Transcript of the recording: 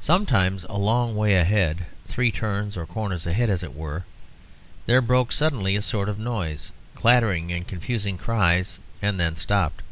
Sometimes a long way ahead three turns or corners ahead, as it were there broke suddenly a sort of noise, clattering, and confused cries, and then stopped.